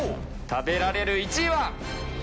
食べられる１位は。